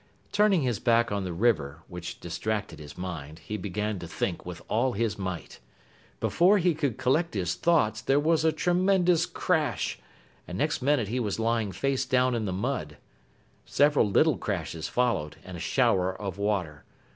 Turning his back on the river, which distracted his mind, he began to think with all his might. Before he could collect his thoughts, there was a tremendous crash, and next minute he was lying face down in the mud. Several little crashes followed, and a shower of water.